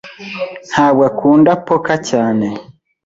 ntabwo akunda poker cyane.